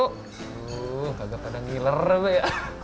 tuh kagak pada ngiler bang